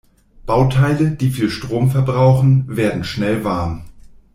Bauteile, die viel Strom verbrauchen, werden schnell warm.